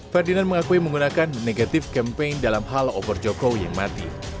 ferdinand mengakui menggunakan negatif campaign dalam hal obor jokowi yang mati